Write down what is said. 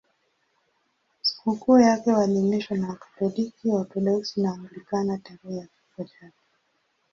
Sikukuu yake huadhimishwa na Wakatoliki, Waorthodoksi na Waanglikana tarehe ya kifo chake.